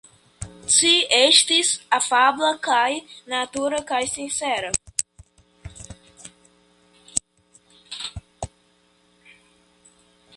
Ŝi estis afabla kaj natura kaj sincera.